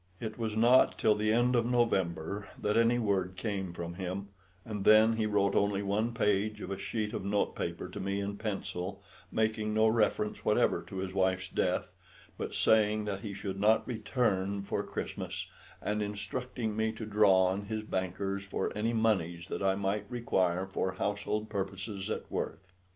It was not till the end of November that any word came from him, and then he wrote only one page of a sheet of note paper to me in pencil, making no reference whatever to his wife's death, but saying that he should not return for Christmas, and instructing me to draw on his bankers for any moneys that I might require for household purposes at Worth.